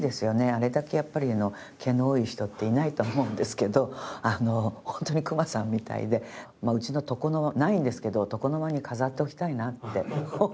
あれだけやっぱり毛の多い人っていないと思うんですけど本当に熊さんみたいでうちの床の間ないんですけど床の間に飾っておきたいなって。